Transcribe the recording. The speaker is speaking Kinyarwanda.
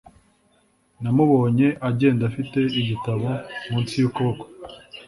Namubonye agenda afite igitabo munsi yukuboko.